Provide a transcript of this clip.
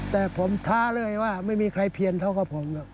แต่ผมท้าเลยว่าไม่มีใครเพียนเท่ากับผมหรอก